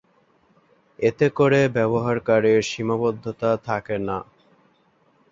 এতে করে ব্যবহারকারীর সীমাবদ্ধতা থাকে না।